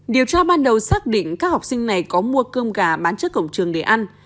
điều tra ban đầu xác định các học sinh này có mua cơm gà bán trước cổng trường để ăn